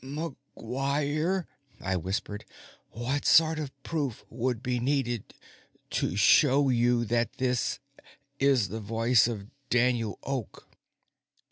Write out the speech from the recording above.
"McGuire," I whispered, "what sort of proof would be needed to show you that this is the voice of Daniel Oak?"